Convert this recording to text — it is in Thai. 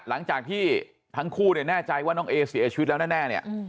หลังจากที่ทั้งคู่แน่ใจว่าน้องแอเสียชีวิตแล้วแน่